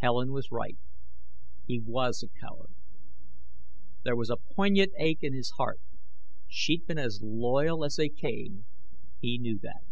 Helen was right he was a coward. There was a poignant ache in his heart. She'd been as loyal as they came, he knew that.